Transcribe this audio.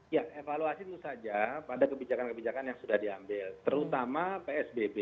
ya evaluasi itu saja pada kebijakan kebijakan yang sudah diambil terutama psbb